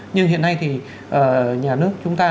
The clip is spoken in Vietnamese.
nhưng hiện nay thì nhà nước chúng ta